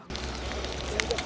pada tahun dua ribu